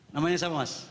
namanya siapa mas